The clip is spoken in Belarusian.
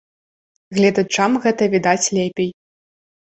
Гледачам гэта відаць лепей.